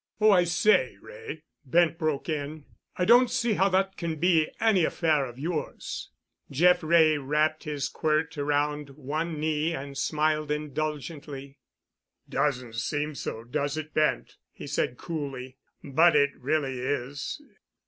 "Oh, I say, Wray," Bent broke in, "I don't see how that can be any affair of yours." Jeff Wray wrapped his quirt around one knee and smiled indulgently. "Doesn't seem so, does it, Bent?" he said coolly. "But it really is.